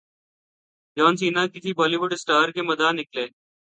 جان Cena کس Bollywood star کے مداح نکلے